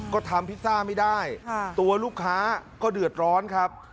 ก็ทำพิซซ่าไม่ได้ตัวลูกค้าก็เดือดร้อนครับ